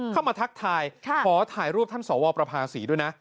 ทักทายขอถ่ายรูปท่านสวประภาษีด้วยนะ